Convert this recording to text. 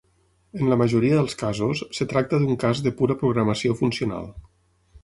En la majoria dels casos, es tracta d'un cas de pura programació funcional.